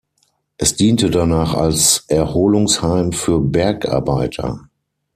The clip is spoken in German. Es diente danach als Erholungsheim für Bergarbeiter.